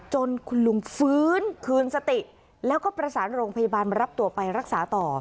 จนคุณลุงฟื้นคืนสติแล้วก็ประสานโรงพยาบาลมารับตัวไปรักษาต่อ